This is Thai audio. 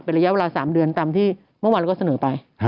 ระยะเวลา๓เดือนตามที่เมื่อวานเราก็เสนอไป